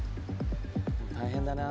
大変だなぁ。